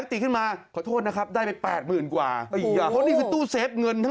รูคล้ายกัน